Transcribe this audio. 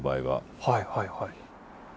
はいはいはい。